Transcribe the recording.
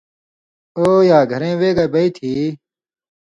”او یا! گھرِیں وے گائ بئ تھی یی؟“